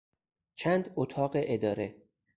چند اتاق اداره